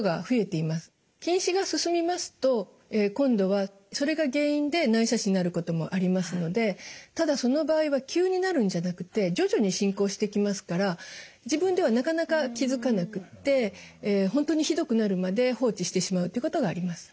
近視が進みますと今度はそれが原因で内斜視になることもありますのでただその場合は急になるんじゃなくて徐々に進行してきますから自分ではなかなか気付かなくって本当にひどくなるまで放置してしまうということがあります。